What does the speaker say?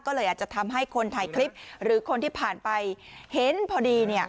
ก็เลยอาจจะทำให้คนถ่ายคลิปหรือคนที่ผ่านไปเห็นพอดีเนี่ย